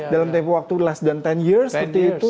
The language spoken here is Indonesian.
dalam tempoh waktu last sepuluh years seperti itu